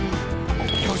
「よし！